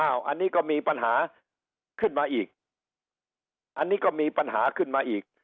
อันนี้ก็มีปัญหาขึ้นมาอีก